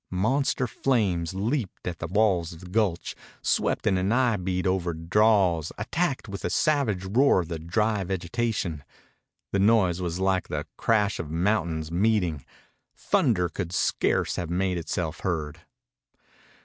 Monster flames leaped at the walls of the gulch, swept in an eyebeat over draws, attacked with a savage roar the dry vegetation. The noise was like the crash of mountains meeting. Thunder could scarce have made itself heard.